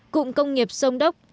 cụng công nghiệp sông đốc